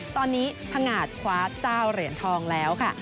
ตอนนี้ภรรณาการขวาเจ้าเหรียญทองแล้วค่ะ